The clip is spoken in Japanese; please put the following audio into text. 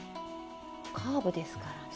カーブですからね。